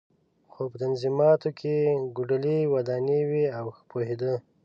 خو په نظمیاتو کې یې کوډلۍ ودانې وې او ښه پوهېده.